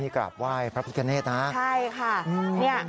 นี่กราบไหว้พระพิคเนตรนะ